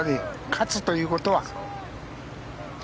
勝つということは。